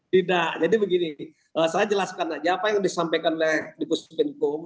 tidak jadi begini saya jelaskan aja apa yang disampaikan oleh dipus penkum